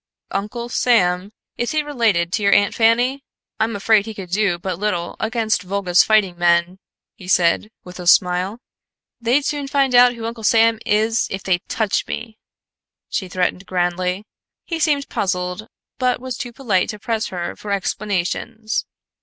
"Uncle Sam? Is he related to your Aunt Fanny? I'm afraid he could do but little against Volga's fighting men," he said, with a smile. "They'd soon find out who Uncle Sam is if they touch me," she threatened grandly. He seemed puzzled, but was too polite to press her for explanations.